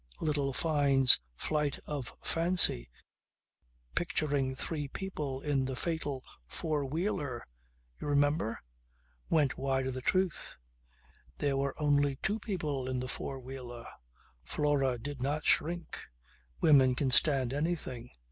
Little Fyne's flight of fancy picturing three people in the fatal four wheeler you remember? went wide of the truth. There were only two people in the four wheeler. Flora did not shrink. Women can stand anything.